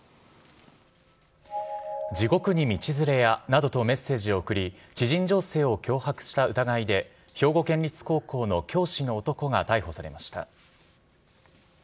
地獄に道連れやなどとメッセージを送り、知人女性を脅迫した疑いで、兵庫県立高校の教師の男が逮捕されました。